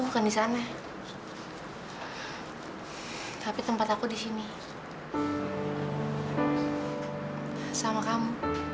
bawa bigger than you